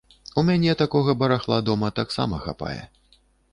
У мяне такога барахла дома таксама хапае.